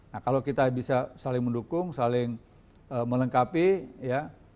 nah kalau kita bisa saling mendukung saling melengkapi ya